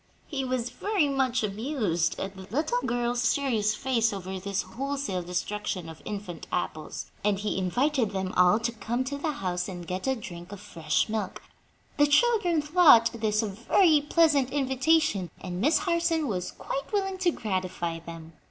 He was very much amused at the little girl's serious face over this wholesale destruction of infant apples, and he invited them all to come to the house and get a drink of fresh milk. The children thought this a very pleasant invitation, and Miss Harson was quite willing to gratify them.